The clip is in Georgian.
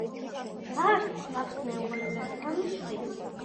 ბარს ჰყავს მეუღლე და სამი შვილი.